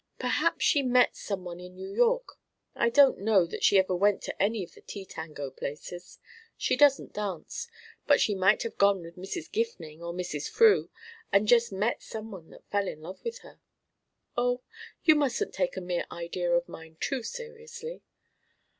Perhaps she met some one in New York; I don't know that she ever went to any of the tea tango places she doesn't dance; but she might have gone with Mrs. Gifning or Mrs. Frew, and just met some one that fell in love with her Oh, you mustn't take a mere idea of mine too seriously."